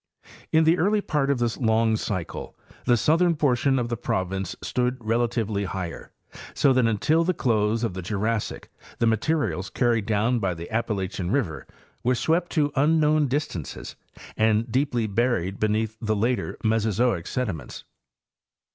In the early part of this long cycle the southern portion of the province stood relatively higher, so that until the close of the Jurassic the materials carried down by the Appalachian river were swept to unknown distances and deeply buried beneath the later Mesozoic sediments.